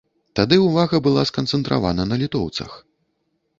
Тады ўвага была сканцэнтравана на літоўцах.